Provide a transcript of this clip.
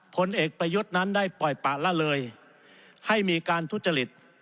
ผลเอกประยุทธ์นั้นได้ปล่อยปะละเลยให้มีการทุจริต